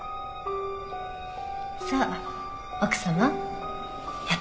さあ奥様やってみて。